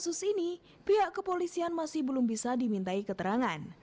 kasus ini pihak kepolisian masih belum bisa dimintai keterangan